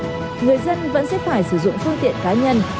nhưng người dân vẫn sẽ phải sử dụng phương tiện cá nhân